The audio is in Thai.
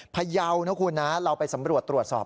พยาวนะคุณนะเราไปสำรวจตรวจสอบ